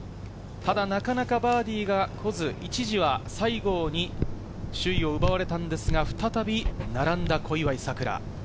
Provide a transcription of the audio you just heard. ただなかなかバーディーが来ず、一時は西郷に首位を奪われたんですが、再び並んだ小祝さくら。